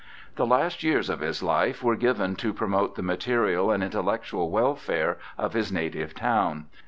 The last years of his life were given to promote the material and intellectual welfare of his native town.